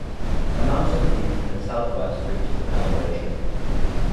A mountain peak in the southwest reaches of elevation.